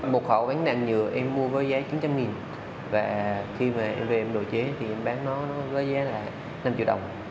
một khẩu bán đạn nhựa em mua với giá chín trăm linh và khi mà em về em đồ chế thì em bán nó với giá là năm triệu đồng